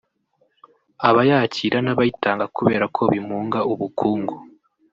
abayakira n’abayitanga kubera ko bimunga ubukungu